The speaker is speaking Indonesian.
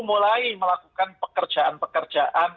mulai melakukan pekerjaan pekerjaan